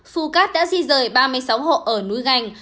phu cát đã di rời ba mươi sáu hộ ở núi gành